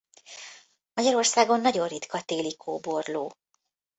Magyarországon nagyon ritka téli kóborló.